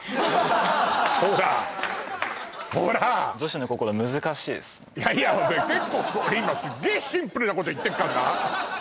ほらほらいやいや結構今すっげえシンプルなこと言ってっかんな